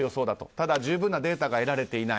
ただ十分のデータが得られていない。